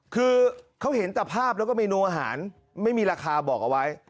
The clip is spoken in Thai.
คือเขาเห็นแต่ภาพแล้วก็เมนูอาหารไม่มีราคาบอกเอาไว้